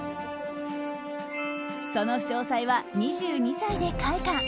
その商才は２２歳で開花。